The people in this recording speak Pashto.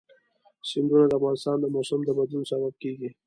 سیندونه د افغانستان د موسم د بدلون سبب کېږي.